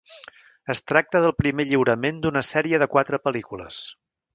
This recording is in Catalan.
Es tracta del primer lliurament d'una sèrie de quatre pel·lícules.